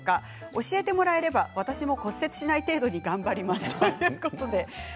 教えてもらえれば私も骨折しない程度に頑張りますということです。